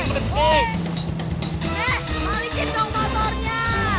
nih balikin dong motornya